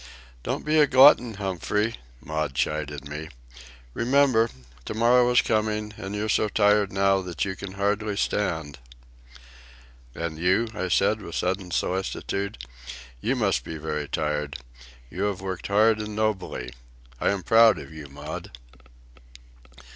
"Don't be a glutton, Humphrey," Maud chided me. "Remember, to morrow is coming, and you're so tired now that you can hardly stand." "And you?" I said, with sudden solicitude. "You must be very tired. You have worked hard and nobly. I am proud of you, Maud."